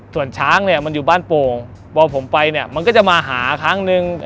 ส่วนช้างเนี่ยมันอยู่บ้านโป่งพอผมไปเนี่ยมันก็จะมาหาครั้งนึง